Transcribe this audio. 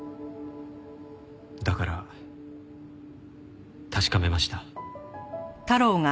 だから確かめました。